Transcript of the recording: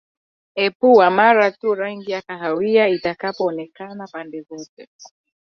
epua mara tu rangi ya kahawia itakapoonekana pande zote